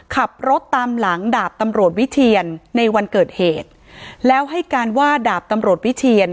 ขับรถตามหลังดาบตำรวจวิเทียนในวันเกิดเหตุแล้วให้การว่าดาบตำรวจวิเทียน